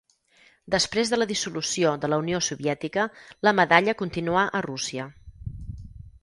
Després de la dissolució de la Unió Soviètica, la medalla continuà a Rússia.